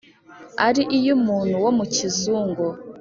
Ari iy'umuntu wo mu kizungu,